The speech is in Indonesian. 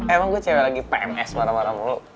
emang gue cewek lagi pms marah marah sama lu